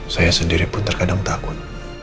saya sendiri pun terkadang takut